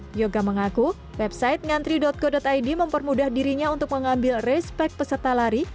trioga mengaku website ngantri co id mempermudah dirinya untuk mengambil respek peserta lari